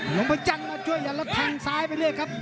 หลวงพระจันทร์มาช่วยกันแล้วแทงซ้ายไปเรื่อยครับ